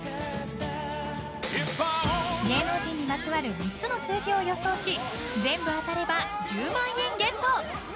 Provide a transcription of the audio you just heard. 芸能人にまつわる３つの数字を予想し全部当たれば１０万円ゲット！